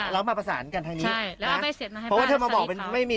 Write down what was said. เรามาประสานกันทางนี้